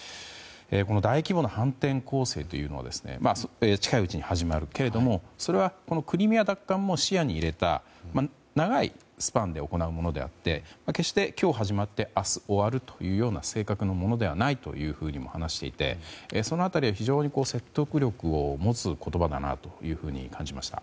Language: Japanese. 大規模な反転攻勢は近いうちに始まるけれどもそれはクリミア奪還も視野に入れた長いスパンで行うものであって決して今日始まって明日終わるという正確なものではないとも話していてその辺りは非常に説得力を持つ言葉だなと感じました。